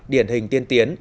điển hình tiên tiến